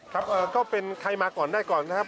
ก็เป็นใครมาก่อนได้ก่อนนะครับ